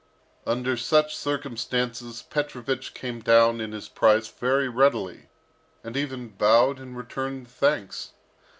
Under such circumstances Petrovich generally came down in his price very readily, and even bowed and returned thanks.